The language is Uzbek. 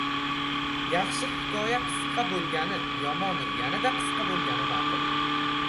— Yaxshi hikoya qisqa bo‘lgani, yomoni – yanada qisqa bo‘lgani ma’qul.